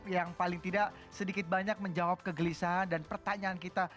yang paling tidak sedikit banyak menjawab kegelisahan dan pertanyaan kita